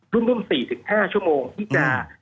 ร่วม๔๕ชั่วโมงที่จะ